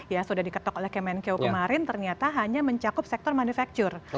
ya sudah diketok oleh kemenkeu kemarin ternyata hanya mencakup sektor manufaktur